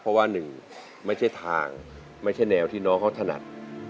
เพราะว่าหนึ่งไม่ใช่ทางไม่ใช่แนวที่น้องเขาถนัด